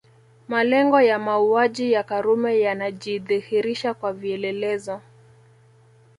Malengo ya mauaji ya Karume yanajidhihirisha kwa vielelezo